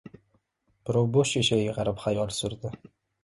Birov bo‘sh shishaga qarab xayol surdi.